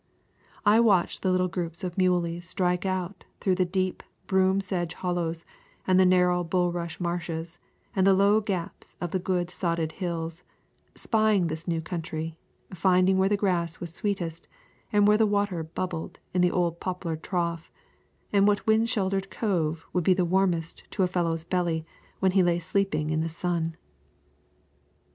I watched the little groups of muleys strike out through the deep broom sedge hollows and the narrow bulrush marshes and the low gaps of the good sodded hills, spying this new country, finding where the grass was sweetest and where the water bubbled in the old poplar trough, and what wind sheltered cove would be warmest to a fellow's belly when he lay sleeping in the sun.